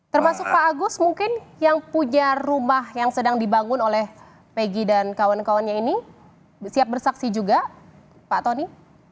termasuk pak agus mungkin yang punya rumah yang sedang dibangun oleh peggy dan kawan kawannya ini siap bersaksi juga pak tony